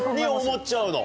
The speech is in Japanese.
思っちゃうの？